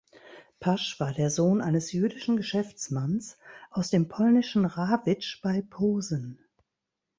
Pasch war der Sohn eines jüdischen Geschäftsmanns aus dem polnischen Rawitsch bei Posen.